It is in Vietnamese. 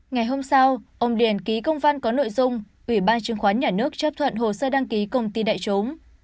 ngày hôm sau ông điền ký công văn có nội dung ủy ban chứng khoán nhà nước chấp thuận hồ sơ đăng ký công ty đại chúng